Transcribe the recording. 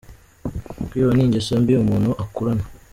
Kwiba n'ingeso mbi umuntu akurana.